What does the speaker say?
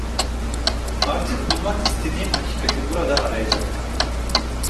Artık bulmak istediğim hakikati burada arayacaktım: